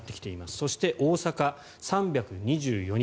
そして、大阪３２４人。